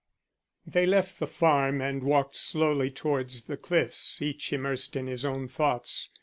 They left the farm and walked slowly towards the cliffs, each immersed in his own thoughts.